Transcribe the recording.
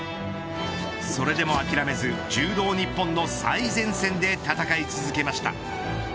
それでも諦めず柔道日本の最前線で戦い続けました。